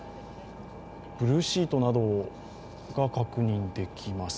ブルーシートなどが確認できます。